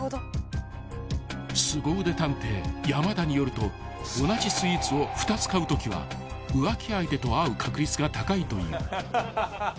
［すご腕探偵山田によると同じスイーツを２つ買うときは浮気相手と会う確率が高いという］